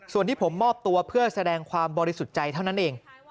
ส่วนที่ผมมอบตัวเพื่อแสดงความบริสุทธิ์ใจเท่านั้นเอง